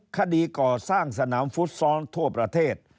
คดีก่อสร้างสนามฟุตซอลทั่วประเทศ